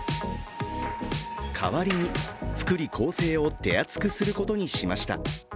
代わりに福利厚生を手厚くすることにしました。